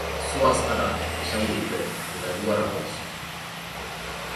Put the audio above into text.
Zoaz hara, esaten digute, eta gu hara goaz.